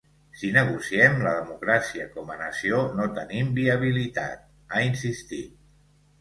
Si negociem la democràcia, com a nació no tenim viabilitat, ha insistit.